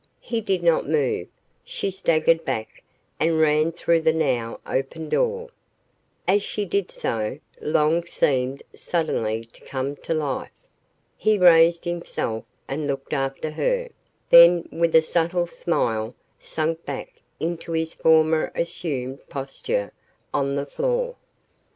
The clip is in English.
He did not move. She staggered back and ran through the now open door. As she did so, Long seemed suddenly to come to life. He raised himself and looked after her, then with a subtle smile sank back into his former assumed posture on the floor.